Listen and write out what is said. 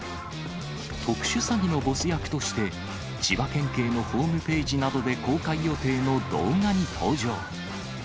特殊詐欺のボス役として、千葉県警のホームページなどで公開予定の動画に登場。